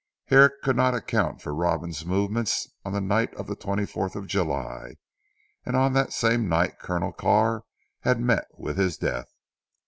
Herrick could not account for Robin's movements on the night of the twenty fourth of July, and on that same night Colonel Carr had met with his death.